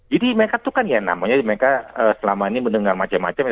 jadi mereka itu kan ya namanya mereka selama ini mendengar macam macam